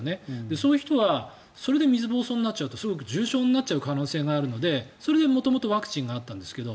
そういう人はそれで水ぼうそうになると重症になっちゃう可能性があるのでそれで元々ワクチンがあったんですけど。